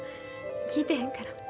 聞いてへんから。